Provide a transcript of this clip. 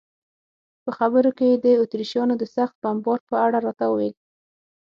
په خبرو کې یې د اتریشیانو د سخت بمبار په اړه راته وویل.